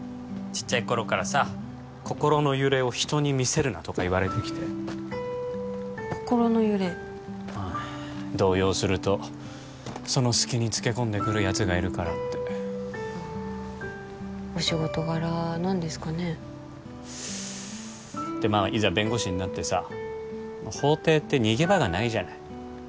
ちっちゃい頃からさ「心の揺れを人に見せるな」とか言われてきて心の揺れうん動揺するとその隙につけこんでくるやつがいるからってお仕事柄なんですかねでまあいざ弁護士になってさ法廷って逃げ場がないじゃない？